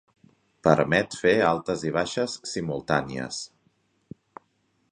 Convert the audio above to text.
Permet fer altes i baixes simultànies.